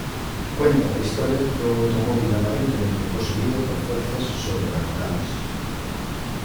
Cuenta la historia de un automóvil aparentemente poseído por fuerzas sobrenaturales.